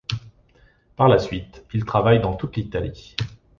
Par la suite, il travaille dans toute l’Italie.